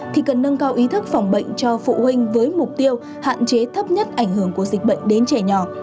thì cần nâng cao ý thức phòng bệnh cho phụ huynh với mục tiêu hạn chế thấp nhất ảnh hưởng của dịch bệnh đến trẻ nhỏ